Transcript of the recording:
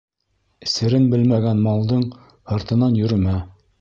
Серен белмәгән малдың һыртынан йөрөмә.